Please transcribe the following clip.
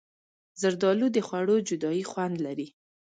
زردالو د خوړو جادويي خوند لري.